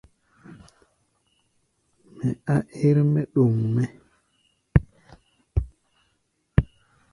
Mɛ á ɛ́r-mɛ́ ɗoŋ mɛ́.